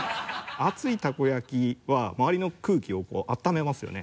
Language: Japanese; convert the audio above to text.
熱いたこ焼きは周りの空気を温めますよね？